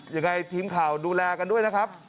ยังไงทีมข่าวดูแลกันด้วยนะครับ